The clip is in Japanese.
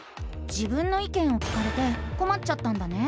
「自分の意見」を聞かれてこまっちゃったんだね？